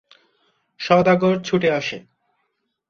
সওদাগর ছুটে আসে।